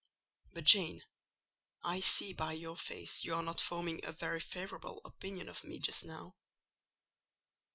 But, Jane, I see by your face you are not forming a very favourable opinion of me just now.